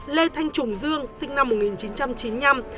lê thanh trùng dương sinh năm một nghìn chín trăm chín mươi năm